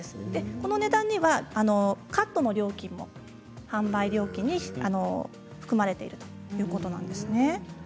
この値段にはカットの料金も販売料金に含まれているということなんですね。